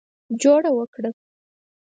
جوړه وکړه.